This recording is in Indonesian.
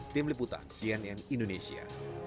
tim liputan cnn indonesia